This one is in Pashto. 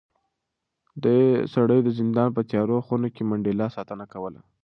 دې سړي د زندان په تیارو خونو کې د منډېلا ساتنه کوله.